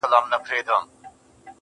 پر كومه تگ پيل كړم.